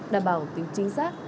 đảm bảo tính chính xác